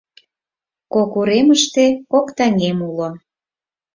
Кок уремыште кок таҥем уло